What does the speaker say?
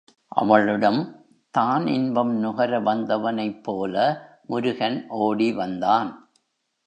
அவளிடம், தான் இன்பம் நுகர வந்தவனைப்போல முருகன் ஓடி வந்தான்.